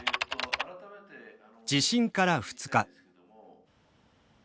地震から２日。